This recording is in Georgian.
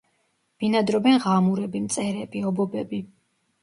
ბინადრობენ ღამურები, მწერები, ობობები.